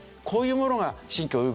こういうものが新疆